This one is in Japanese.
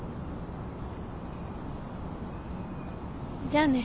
じゃあね。